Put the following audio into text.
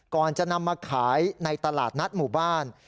ก่อนจะนำมาขายในตลาดนัดหมู่บ้าน